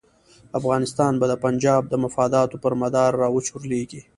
افغانستان به د پنجاب د مفاداتو پر مدار را وچورلېږي.